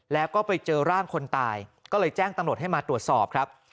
แล้วก็ไปเจอร่างคนตายก็เลยแจ้งตำรวจให้มาตรวจสอบครับ